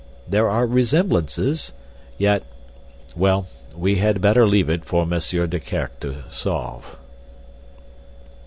There are resemblances, yet—well, we had better leave it for Monsieur Desquerc to solve."